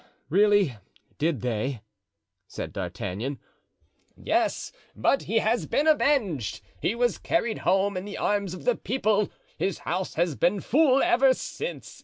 "Really, did they?" said D'Artagnan. "Yes, but he has been avenged. He was carried home in the arms of the people. His house has been full ever since.